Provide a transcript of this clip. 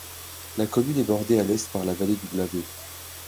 La commune est bordée à l'est par la vallée du Blavet.